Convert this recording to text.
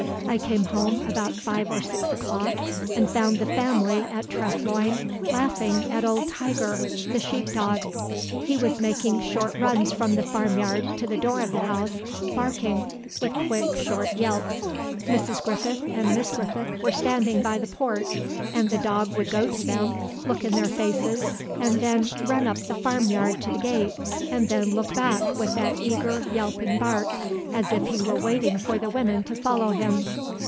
I came home about five or six o'clock and found the family at Treff Loyne laughing at old Tiger, the sheepdog. He was making short runs from the farmyard to the door of the house, barking, with quick, short yelps. Mrs. Griffith and Miss Griffith were standing by the porch, and the dog would go to them, look in their faces, and then run up the farmyard to the gate, and then look back with that eager yelping bark, as if he were waiting for the women to follow him.